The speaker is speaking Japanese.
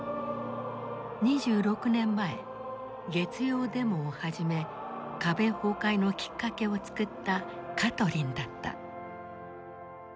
２６年前月曜デモを始め壁崩壊のきっかけを作ったカトリンだった。